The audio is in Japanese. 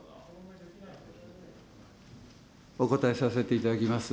お答えさせていただきます。